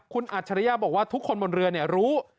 คุณอัจฉริยะบอกว่าทุกคนบนเรือรู้